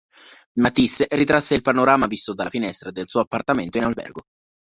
Matisse ritrasse il panorama visto dalla finestra del suo appartamento in albergo.